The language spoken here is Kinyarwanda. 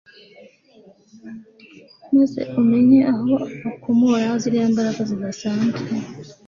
maze umenye aho akomora ziriya mbaraga zidasanzwe